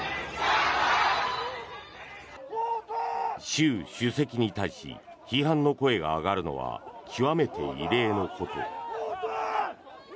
習主席に対し批判の声が上がるのは極めて異例のこと。